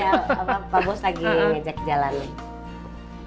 iya pak bos lagi ajak jalan